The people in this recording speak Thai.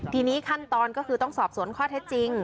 ทีนี้ขั้นตอนก็คือต้องสอบสวนข้อเท็จจริง